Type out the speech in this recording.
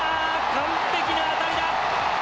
完璧な当たりだ。